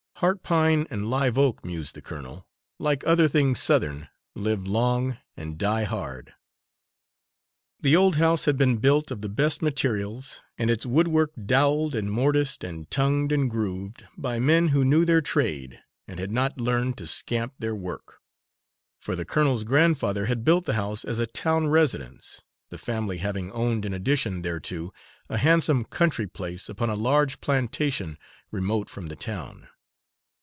Heart pine and live oak, mused the colonel, like other things Southern, live long and die hard. The old house had been built of the best materials, and its woodwork dowelled and mortised and tongued and grooved by men who knew their trade and had not learned to scamp their work. For the colonel's grandfather had built the house as a town residence, the family having owned in addition thereto a handsome country place upon a large plantation remote from the town.